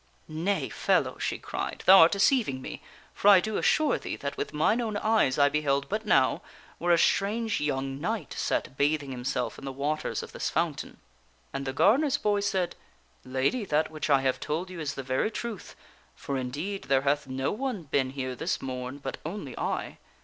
" Nay, fellow," she cried, " thou art deceiving me, for I do assure thee that with mine own eyes I beheld but now, where a strange young knight sat bathing himself in the waters of this fountain." And the gardener's boy said, " Lady, that which I have told you is the very truth, for indeed there hath no one been here this morn but only I.